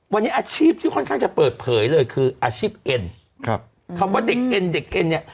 วันนี้อาชีพที่ค่อนข้างจะเปิดเผยเลยคืออาชีพเอ็นครับคำว่าเด็กเอ็นเด็กเอ็นเนี่ย